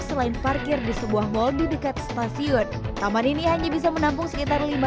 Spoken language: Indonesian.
selain parkir di sebuah hal di dekat stasiun tamat ini yang bisa menampung sekitar lima ratus